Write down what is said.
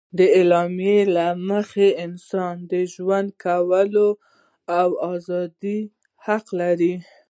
د اعلامیې له مخې انسان د ژوند کولو او ازادي حق لري.